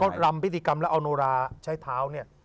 เขาลำพิธีกรรมแล้วเอาโนราใช้เท้าเนี่ย